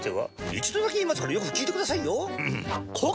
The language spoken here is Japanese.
一度だけ言いますからよく聞いてくださいよ。